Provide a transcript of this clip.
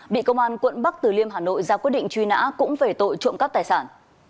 bị công an quận bắc từ liêm hà nội ra quyết định truy nã cũng về tội trộm cắp tài sản